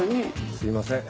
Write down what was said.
すいません。